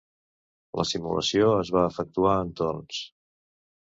La simulació es va efectuar en torns.